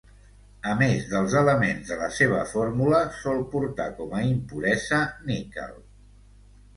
A més dels elements de la seva fórmula, sol portar com a impuresa níquel.